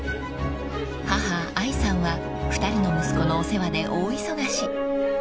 ［母愛さんは２人の息子のお世話で大忙し］